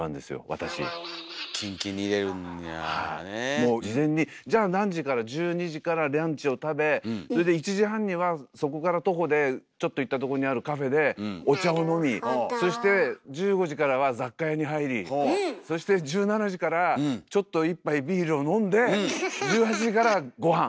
もう事前にじゃあ何時から１２時からランチを食べそれで１時半にはそこから徒歩でちょっと行ったとこにあるカフェでお茶を飲みそして１５時からは雑貨屋に入りそして１７時からちょっと一杯ビールを飲んで１８時からごはん！